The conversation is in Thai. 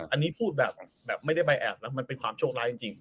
อันนี้พูดแบบไม่ได้ใบแอบแล้วมันเป็นความโชคร้ายจริง